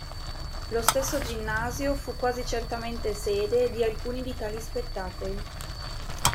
Lo stesso Ginnasio fu quasi certamente sede di alcuni di tali spettacoli.